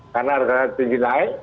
karena harga harga tinggi naik